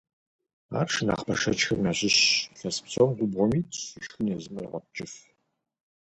Ар шы нэхъ бэшэчхэм ящыщщ, илъэс псом губгъуэм итщ, и шхын езым къегъуэтыжыф.